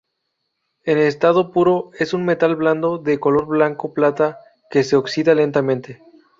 En estado puro es un metal blando de color blanco-plata que se oxida lentamente.